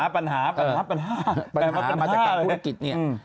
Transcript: ปัญหาแม่งมาปัญหาเลย